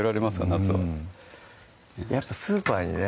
夏はやっぱスーパーにね